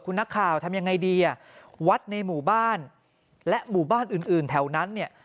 คุณนักข่าวทำยังไงดีวัดในหมู่บ้านและหมู่บ้านอื่นแถวนั้น